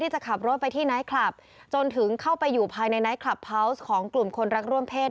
จะขับรถไปที่ไนท์คลับจนถึงเข้าไปอยู่ภายในไนท์คลับพาวส์ของกลุ่มคนรักร่วมเพศ